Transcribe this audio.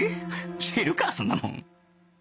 知るかそんなもん！